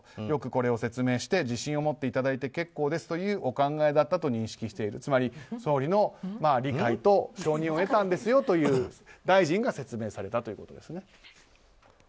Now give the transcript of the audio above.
よくこれを説明して自信を持っていただいて結構ですというお考えだったと認識しているつまり、総理の理解と承認を得たんですよと大臣が説明されたということですね。